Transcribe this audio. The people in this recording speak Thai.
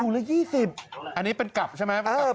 ละ๒๐อันนี้เป็นกลับใช่ไหม